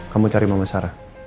kamu cari mama sarah